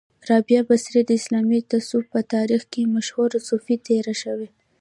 را بعه بصري د اسلامې تصوف په تاریخ کې مشهوره صوفۍ تیره شوی